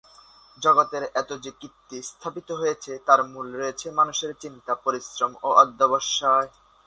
জগতের এত যে কীর্তি স্থাপিত হয়েছে তার মূলে রয়েছে মানুষের চিন্তা, পরিশ্রম ও অধ্যবসায়।